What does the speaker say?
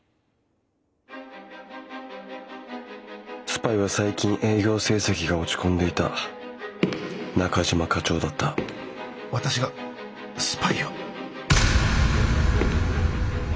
スパイは最近営業成績が落ち込んでいた中島課長だった私がスパイを？